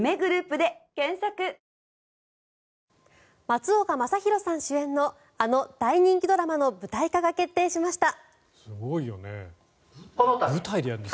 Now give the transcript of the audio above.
松岡昌宏さん主演のあの大人気ドラマの舞台化が決定しました。